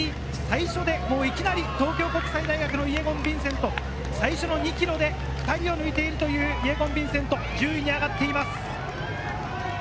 最初でいきなり東京国際のイェゴン・ヴィンセント、最初の２ｋｍで２人を抜いているという１０位に上がっています。